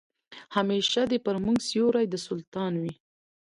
همېشه دي پر موږ سیوری د سلطان وي